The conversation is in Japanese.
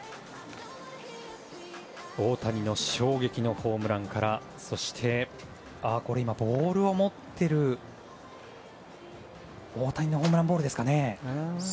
大谷の衝撃のホームランからそして、これは大谷のホームランボールですかね。